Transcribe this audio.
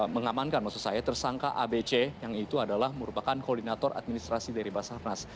mengamankan maksud saya tersangka abc yang itu adalah merupakan koordinator administrasi dari basarnas